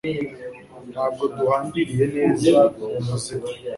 Ntabwo yahambiriye neza uwo muzigo